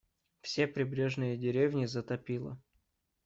Все прибрежные деревни затопило.